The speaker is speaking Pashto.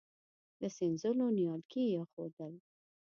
د سينځلو نيالګي يې اېښودل.